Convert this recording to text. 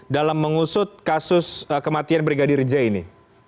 dalam mengusut kasus kematian brigadir j ini